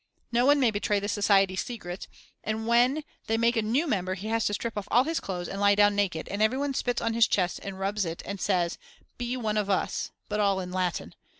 No one may betray the society's secrets, and when they make a new member he has to strip off all his clothes and lie down naked and every one spits on his chest and rubs it and says: Be One of Us, but all in Latin.